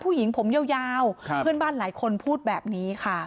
ผู้หญิงผมยาวเพื่อนบ้านหลายคนพูดแบบนี้ค่ะ